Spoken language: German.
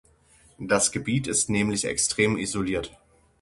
Das Gebiet ist nämlich extrem isoliert.